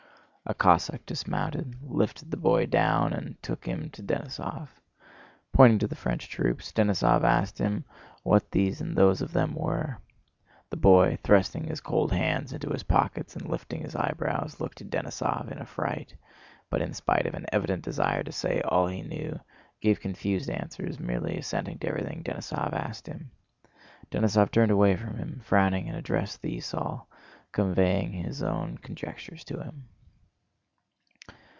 A Cossack dismounted, lifted the boy down, and took him to Denísov. Pointing to the French troops, Denísov asked him what these and those of them were. The boy, thrusting his cold hands into his pockets and lifting his eyebrows, looked at Denísov in affright, but in spite of an evident desire to say all he knew gave confused answers, merely assenting to everything Denísov asked him. Denísov turned away from him frowning and addressed the esaul, conveying his own conjectures to him.